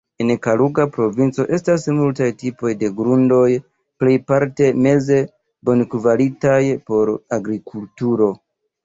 En Kaluga provinco estas multaj tipoj de grundoj, plejparte meze bonkvalitaj por agrikulturo.